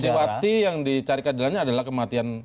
suciwati yang dicari keadilannya adalah kematian mi